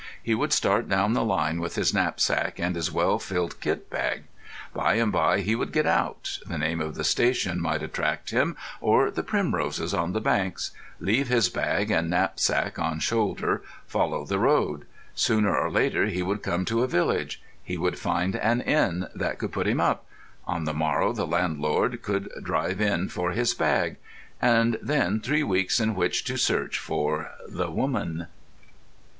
He would start down the line with his knapsack and his well filled kit bag. By and by he would get out—the name of the station might attract him, or the primroses on the banks—leave his bag, and, knapsack on shoulder, follow the road. Sooner or later he would come to a village; he would find an inn that could put him up; on the morrow the landlord could drive in for his bag.... And then three weeks in which to search for the woman.